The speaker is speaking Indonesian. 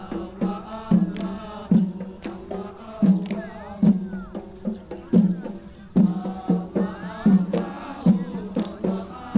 kepiawaian pendatang jawa berhasil memikat hati orang minahasa